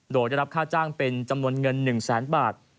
โดยได้รับค่าจ้างเป็นจำนวนเงิน๑แสนบาท